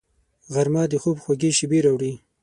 غرمه د خوب خوږې شېبې راوړي